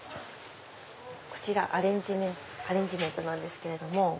こちらアレンジメントなんですけども。